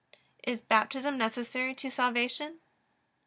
Is Baptism necessary to salvation?